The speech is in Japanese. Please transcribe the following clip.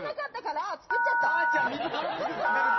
作っちゃった。